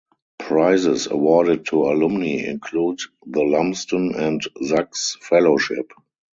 Prizes awarded to alumni include the Lumsden and Sachs Fellowship.